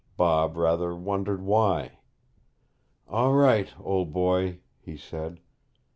Bob rather wondered why. 'All right, old boy,' he said.